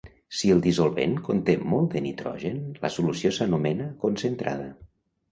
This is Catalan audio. Si el dissolvent conté molt de nitrogen, la solució s'anomena concentrada.